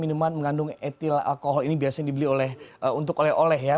minuman mengandung etilalkanil ini biasanya dibeli oleh untuk oleh oleh ya